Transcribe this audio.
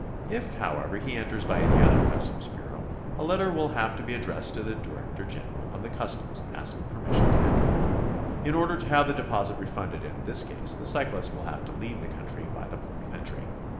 If, however, be enters by any other customs bureau, a letter will have to be addressed to the director general of the customs asking permission to enter. In order to have the deposit refunded in this case, the cyclist will have to leave the country by the port of entry.